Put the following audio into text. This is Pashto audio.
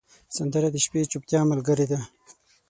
سندره د شپې د چوپتیا ملګرې ده